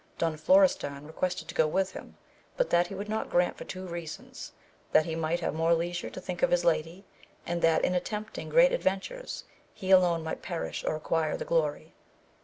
Don Florestan requested to go with him, but that he would not grant for two reasons, that he might have more leisure to think of his lady, and that in attempting great adven tures he alone might perish or acquire the glory.